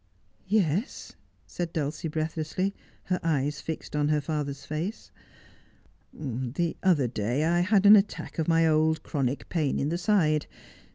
Yes, 3 said Dulcie breathlessly, her eyes fixed on her father's face. ' The other day I had an attack of my old chronic pain in the side.